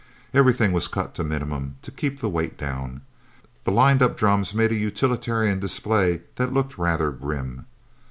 Everything was cut to minimum, to keep the weight down. The lined up drums made a utilitarian display that looked rather grim.